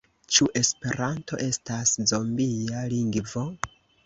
Ĉu Esperanto estas zombia lingvo?